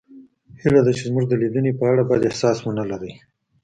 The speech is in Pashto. هیله ده چې زموږ د لیدنې په اړه بد احساس ونلرئ